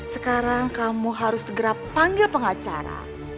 sekarang kamu harus segera panggil pengacara